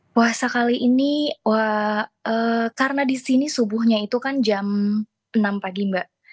puasa kali ini karena di sini subuhnya itu kan jam enam pagi mbak